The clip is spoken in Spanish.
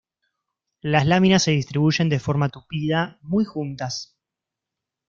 Las láminas se distribuyen de forma tupida, muy juntas.